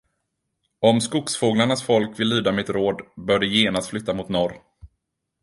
Om skogsfåglarnas folk vill lyda mitt råd, bör det genast flytta mot norr.